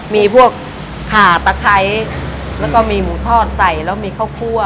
มีพวกขาตะไคร้แล้วก็มีหมูทอดใส่แล้วมีข้าวคั่ว